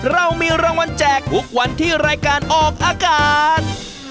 เรามีรางวัลแจกทุกวันที่รายการออกอากาศ